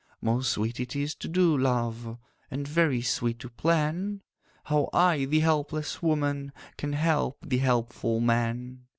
'Most sweet it is to do, love, And very sweet to plan How I, the helpless woman, Can help the helpful man.